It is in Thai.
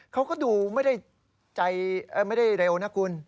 เขาก็ดูไม่ได้ใจไม่ได้เร็วนะคุณ